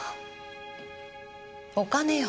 お金よ。